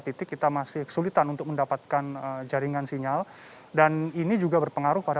titik kita masih kesulitan untuk mendapatkan jaringan sinyal dan ini juga berpengaruh pada